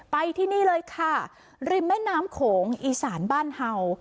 ไปที่นี่เลยค่ะริมแม่น้ำโขงอีสานบ้านเห่า